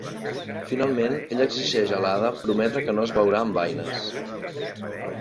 Finalment ell exigeix a l'Ada prometre que no es veurà amb Baines.